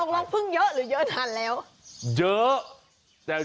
ตรงนี้พึ่งเยอะหรือทานแล้ว